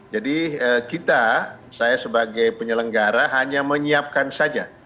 jadi kita saya sebagai penyelenggara hanya menyiapkan saja